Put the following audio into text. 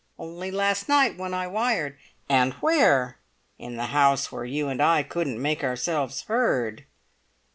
"Only last night when I wired." "And where?" "In the house where you and I couldn't make ourselves heard."